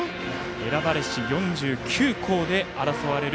選ばれし４９校で争われる